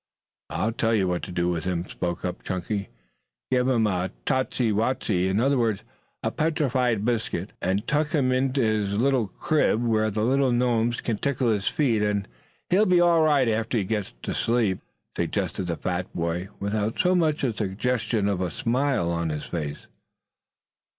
"I'll tell you what to do with him," spoke up Chunky. "Give him a tostie wostie in other words, a petrified biscuit, and tuck him in his li'l crib where the little gnomes can't tickle his feet, and he'll be all right after he gets to sleep," suggested the fat boy without so much as the suggestion of a smile on his face.